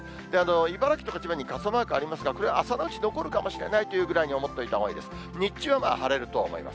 茨城とか千葉に傘マークありますが、これは朝のうち残るかもしれないというぐらいに思っておいたほうがいいかもしれないです。